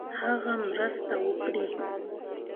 هغه مرسته وکړي.